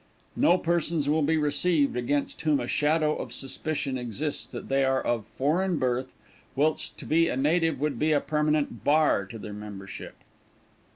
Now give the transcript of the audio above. No persons will be received against whom a shadow of suspicion exists that they are of foreign birth, whilst to be a native would be a permanent bar to their membership.